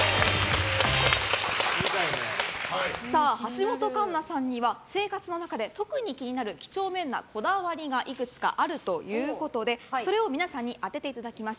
橋本環奈さんには、生活の中で特に気になる几帳面なこだわりがいくつかあるということでそれを皆さんに当てていただきます。